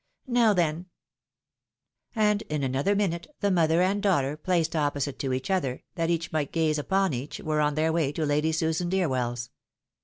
Now then !" iiid in another minute, the mother and daughter, placed .opposite to each other, that each might gaze upon each, were on their way to Lady Susan Deerwell's.